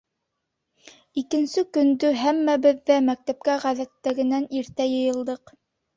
Икенсе көндө һәммәбеҙ ҙә мәктәпкә ғәҙәттәгенән иртә йыйылдыҡ.